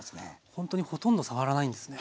ほんとにほとんど触らないんですね。